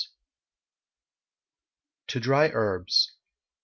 TO DRY HERBS.